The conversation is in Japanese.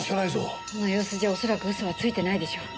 あの様子じゃ恐らく嘘はついてないでしょう。